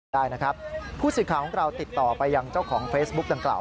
ได้นะครับผู้สื่อข่าวของเราติดต่อไปยังเจ้าของเฟซบุ๊กดังกล่าว